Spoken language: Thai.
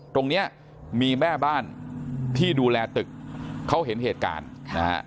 ตรงเนี้ยมีแม่บ้านที่ดูแลตึกเขาเห็นเหตุการณ์นะฮะ